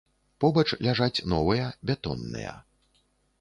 Побач ляжаць новыя бетонныя.